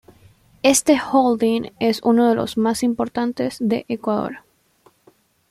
Este holding es uno de los más importantes de Ecuador.